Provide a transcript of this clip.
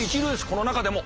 この中でも。